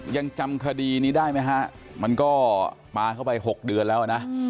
ยังจำคดีนี้ได้ไหมฮะมันก็ปลาเข้าไป๖เดือนแล้วนะ